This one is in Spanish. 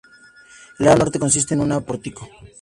El lado norte consiste en un pórtico.